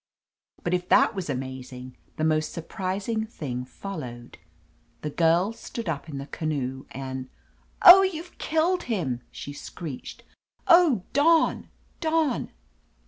But if that was amazing, the most surprising thing followed. The Girl stood up in the canoe and — Oh, youVe killed him!" she screeched. Oh, Don! Don!"